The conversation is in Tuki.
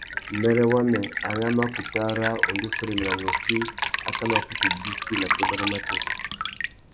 Mbêrê wamê, ari a mà kutu ara undú féréména nôchï a tà mà kutu bîchi nà têbêrê matê.